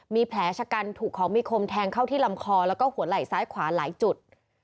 มีแผลชะกันถูกของมีคมแทงเข้าที่ลำคอแล้วก็หัวไหล่ซ้ายขวาหลายจุด